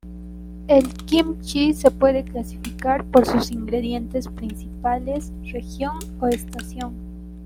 El "kimchi" se puede clasificar por sus ingredientes principales, región o estación.